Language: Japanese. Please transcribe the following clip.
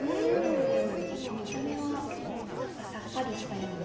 でも見た目はなんかさっぱりしたような。